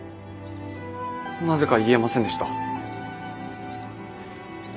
なぜか言えませんでした。